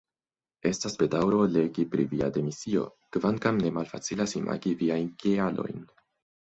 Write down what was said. Estas bedaŭro legi pri via demisio, kvankam ne malfacilas imagi viajn kialojn.